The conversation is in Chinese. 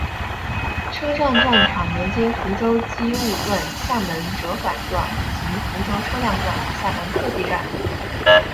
车站站场连接福州机务段厦门折返段及福州车辆段厦门客技站。